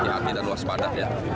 di jepang selalu ada